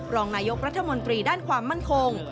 รองนายกรัฐมนตรีด้านความมั่นคง